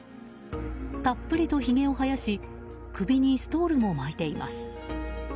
たっぷりとひげを生やし首にストールを巻いています。